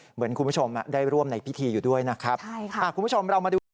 เหมือนคุณผู้ชมได้ร่วมในพิธีอยู่ด้วยนะครับคุณผู้ชมเรามาดูใช่ค่ะ